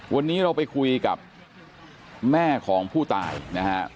วันนี้เราไปคุยกับแม่ของผู้ตายนะฮะ